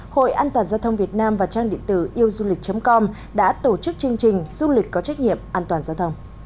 hội an toàn giao thông việt nam và trang điện tử yêuduolich com đã tổ chức chương trình du lịch có trách nhiệm an toàn giao thông